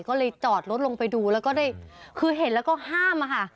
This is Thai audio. ก็เลยจอดรถลงไปดูแล้วก็ได้คือเห็นแล้วก็ห้ามอะค่ะ